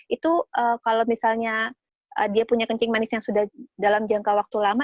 itu kalau misalnya dia punya kencing manis yang sudah dalam jangka waktu lama